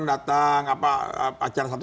datang acara satu